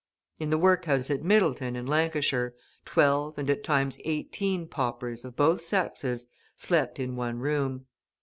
In the workhouse at Middleton, in Lancashire, twelve, and at times eighteen, paupers, of both sexes, slept in one room.